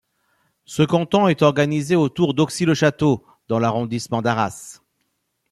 Ce canton est organisé autour d'Auxi-le-Château dans l'arrondissement d'Arras.